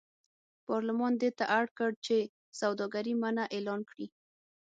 پارلمان دې ته اړ کړ چې سوداګري منع اعلان کړي.